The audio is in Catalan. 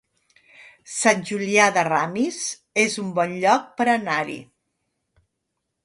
Sant Julià de Ramis es un bon lloc per anar-hi